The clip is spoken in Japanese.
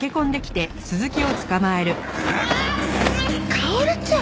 薫ちゃん！